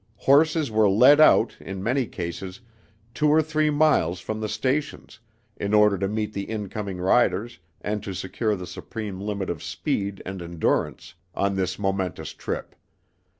Horses were led out, in many cases, two or three miles from the stations, in order to meet the incoming riders and to secure the supreme limit of speed and endurance on this momentous trip.